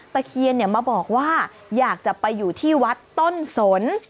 ตะเคียนมาบอกว่าอยากจะไปอยู่ที่วัดต้นสน